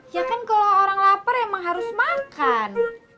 ya kan kalau orang lapar emang harus makan